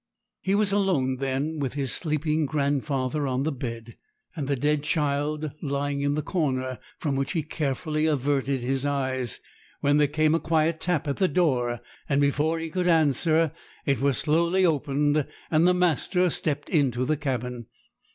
He was alone then, with his sleeping grandfather on the bed, and the dead child lying in the corner, from which he carefully averted his eyes; when there came a quiet tap at the door, and, before he could answer, it was slowly opened, and the master stepped into the cabin.